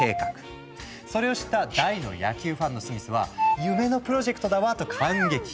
それを知った大の野球ファンのスミスは「夢のプロジェクトだわ！」と感激。